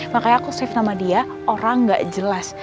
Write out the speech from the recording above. makanya aku save sama dia orang gak jelas